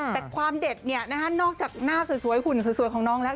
แต่ความเด็ดนอกจากหน้าสวยหุ่นสวยของน้องแล้ว